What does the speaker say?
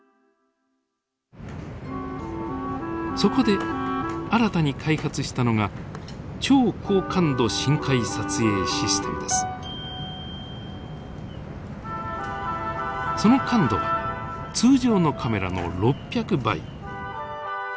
そこで新たに開発したのがその感度は通常のカメラの６００倍。